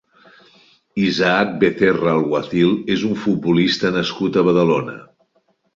Isaac Becerra Alguacil és un futbolista nascut a Badalona.